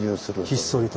ひっそりと。